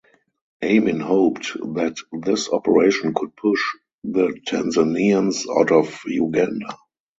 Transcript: Amin hoped that this operation could push the Tanzanians out of Uganda.